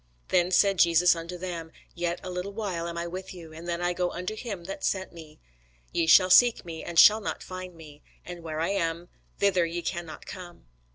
Then said Jesus unto them, Yet a little while am I with you, and then I go unto him that sent me. Ye shall seek me, and shall not find me: and where I am, thither ye cannot come.